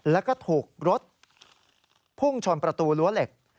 แล้วก็ถูกรถพุ่งชนประตูรั้วเหล็ก